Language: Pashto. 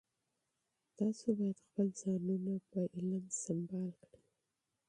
تاسو باید خپل ځانونه په علم سمبال کړئ.